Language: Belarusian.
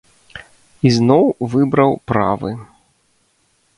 І зноў выбраў правы.